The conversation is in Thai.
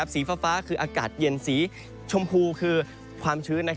สีฟ้าคืออากาศเย็นสีชมพูคือความชื้น